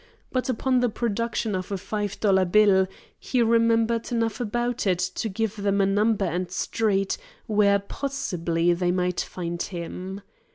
But upon the production of a five dollar bill, he remembered enough about it to give them a number and street where possibly they might find him.